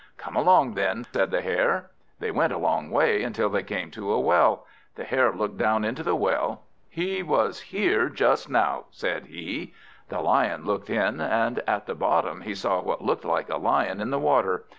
"Come along then," said the Hare. They went a long way, until they came to a well. The Hare looked down into the well. "He was here just now," said he. The Lion looked in, and at the bottom he saw what looked like a Lion in the water.